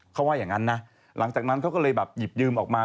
เขาว่าอย่างนั้นนะหลังจากนั้นเขาก็เลยแบบหยิบยืมออกมา